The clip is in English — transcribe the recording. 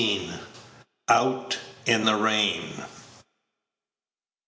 OUT IN THE RAIN.